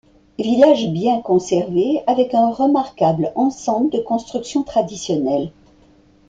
Village bien conservé, avec un remarquable ensemble de constructions traditionnelles.